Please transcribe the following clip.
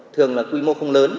thường là quy mô không lớn